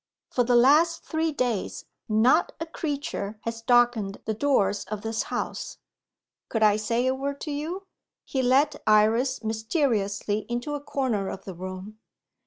For the last three days not a creature has darkened the doors of this house. Could I say a word to you?" He led Iris mysteriously into a corner of the room.